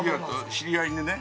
知り合いにね